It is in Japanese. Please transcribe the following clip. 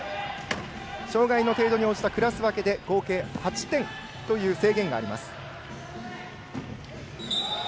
障がいの程度に応じたクラス分けで合計８点という制限があります。